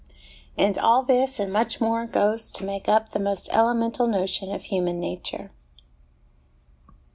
And all this and much more goes to make up the most elemental notion of human nature.